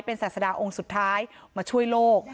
เป็นศาสดาองค์สุดท้ายมาช่วยโลก